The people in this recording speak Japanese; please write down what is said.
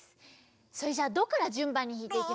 それじゃドからじゅんばんにひいていきますね。